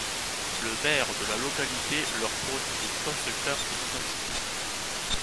Le maire de la localité leur fournit des fausses cartes d'identité.